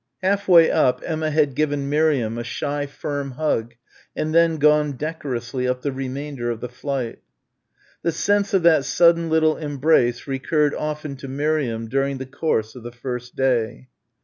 Half way up, Emma had given Miriam a shy firm hug and then gone decorously up the remainder of the flight. The sense of that sudden little embrace recurred often to Miriam during the course of the first day.